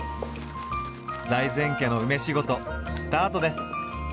財前家の梅仕事スタートです。